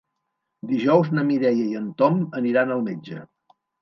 Dijous na Mireia i en Tom aniran al metge.